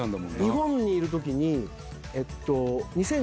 日本にいる時に。